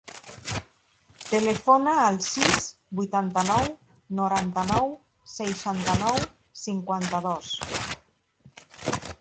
Telefona al sis, vuitanta-nou, noranta-nou, seixanta-nou, cinquanta-dos.